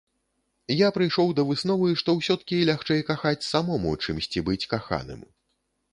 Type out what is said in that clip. Я прыйшоў да высновы, што ўсё-ткі лягчэй кахаць самому, чымсьці быць каханым.